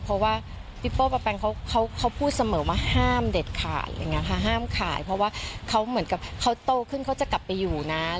เพราะว่าพี่โป้ปะแปงเขาพูดเสมอว่าห้ามเด็ดขาดอะไรอย่างนี้ค่ะห้ามขายเพราะว่าเขาเหมือนกับเขาโตขึ้นเขาจะกลับไปอยู่นะ